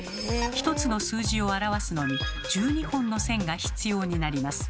１つの数字を表すのに１２本の線が必要になります。